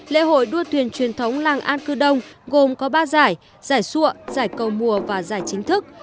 lễ hội đua thuyền truyền thống làng an cư đông gồm có ba giải giải cầu mùa và giải chính thức